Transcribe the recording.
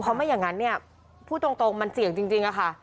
เพราะไม่อย่างนั้นพูดตรงมันเจียงจริงค่ะ